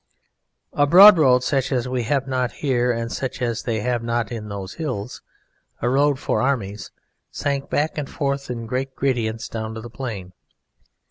A broad road such as we have not here and such as they have not in those hills, a road for armies, sank back and forth in great gradients down to the plain.